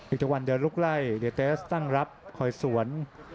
ทุกวันเดินลุกไล่เดียเตสตั้งรับคอยสวน